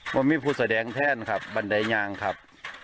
ผมมีผู้แสดงแทนครับบันไดยางครับ